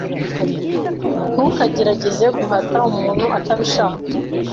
Ntukagerageze guhata umuntu atabishaka